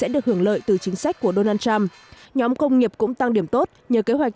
được hưởng lợi từ chính sách của donald trump nhóm công nghiệp cũng tăng điểm tốt nhờ kế hoạch